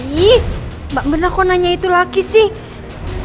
ih mbak mirna kok nanya itu lagi sih